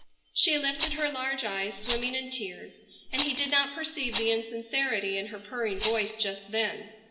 She lifted her large eyes swimming in tears, and he did not perceive the insincerity in her purring voice just then.